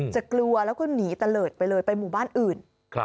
กลัวแล้วก็หนีตะเลิศไปเลยไปหมู่บ้านอื่น